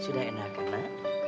sudah enak kan